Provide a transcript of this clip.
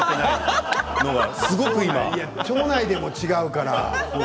笑い声町内でも違うから。